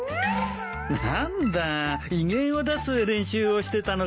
なんだ威厳を出す練習をしてたのか。